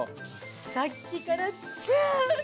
さっきからジューッ！